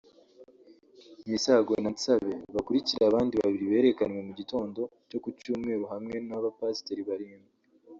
Misago na Nsabe bakurikira abandi babiri berekanwe mu gitondo cyo ku Cyumweru hamwe n’abapasiteri barindwi